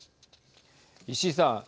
石井さん。